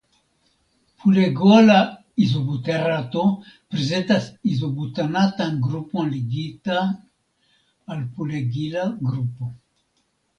Pulegola izobuterato prezentas izobutanatan grupon ligitan al pulegila grupo.